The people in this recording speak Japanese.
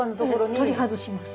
取り外します。